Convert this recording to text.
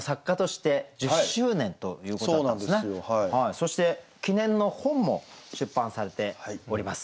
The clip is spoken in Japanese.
そして記念の本も出版されております。